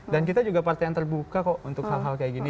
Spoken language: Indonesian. dan kita juga partai yang terbuka kok untuk hal hal kayak gini